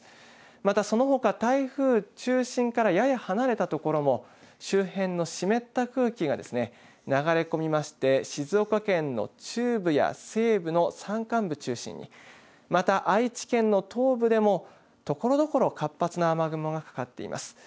またそのほか台風中心からやや離れたところも周辺の湿った空気が流れ込みまして静岡県の中部や西部の山間部中心に、また愛知県の東部でもところどころ活発な雨雲がかかっています。